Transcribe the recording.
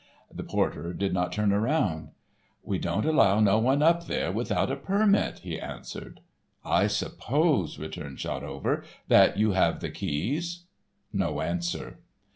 The porter did not turn around. "We don't allow no one up there without a permit," he answered. "I suppose," returned Shotover, "that you have the keys?" No answer.